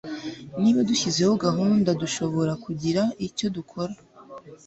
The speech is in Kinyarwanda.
Niba dushyizeho gahunda dushobora kugira icyo dukora.